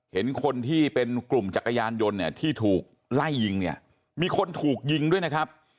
เห็นคนที่เป็นกลุ่มจักรยานยนต์เนี่ยที่ถูกไล่ยิงเนี่ยมีคนถูกยิงด้วยนะครับ